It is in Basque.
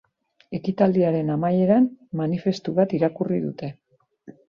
Ekitaldiaren amaieran, manifestu bat irakurri dute.